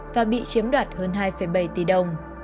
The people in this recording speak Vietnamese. và bị chiếm đoạt hơn hai bảy tỷ đồng